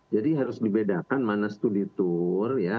jadi harus dibedakan mana studi tur ya